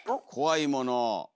怖いもの。